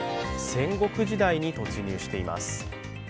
戦国時代に突入しています。